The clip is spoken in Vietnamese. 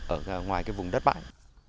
ở ngoài cái vùng đất bãi